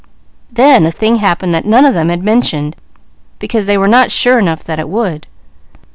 Then a thing happened that none of them had mentioned, because they were not sure enough that it would.